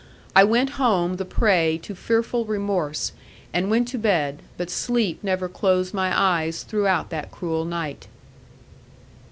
I went home the prey to fearful remorse, and went to bed, but sleep never closed my eyes throughout that cruel night.